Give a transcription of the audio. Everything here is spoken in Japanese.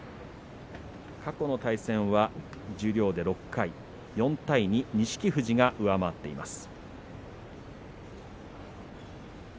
過去の対戦は十両で６回４対２、錦富士が上回っています。